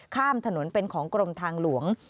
ข้ามถนนเป็นของกรมทางหลวง